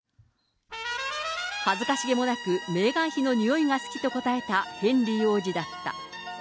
恥ずかしげもなく、メーガン妃の匂いが好きと答えたヘンリー王子だった。